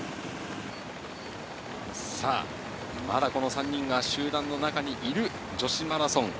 さあ、まだこの３人が集団の中にいる女子マラソン。